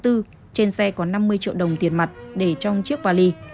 trên xe có năm mươi triệu đồng tiền mặt để trong chiếc vali